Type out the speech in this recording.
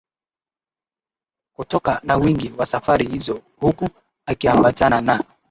kutoka na wingi wa safari hizo huku akiambatana na